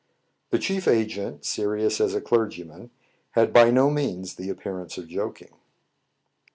The chief agent, serious as a clergyman,, had by no means the appearance of joking.